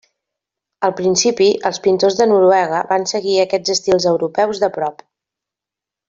Al principi els pintors de Noruega van seguir aquests estils europeus de prop.